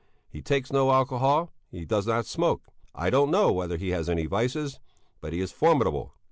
He takes no alcohol; he does not smoke; I don't know whether he has any vices, but he is formidable.